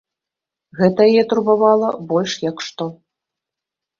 Гэта яе турбавала больш як што.